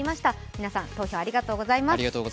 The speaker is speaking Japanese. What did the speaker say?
皆さん、投票ありがとうございます。